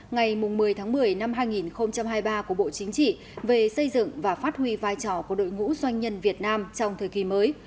ngày một mươi tháng một mươi năm hai nghìn hai mươi ba của bộ chính trị về xây dựng và phát huy vai trò của đội ngũ doanh nhân việt nam trong thời kỳ mới